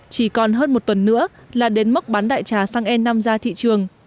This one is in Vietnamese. chỉ còn hơn một tuần nữa là đến mốc bán đại trà xăng e năm ra thị trường